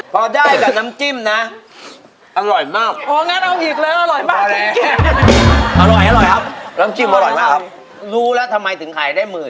พี่หอยป้อนนี้ไม่มีไหล่เกิดขึ้นหรือ